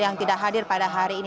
yang tidak hadir pada hari ini